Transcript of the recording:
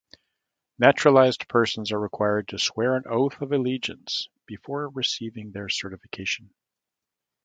Naturalised persons are required to swear an oath of allegiance before receiving their certification.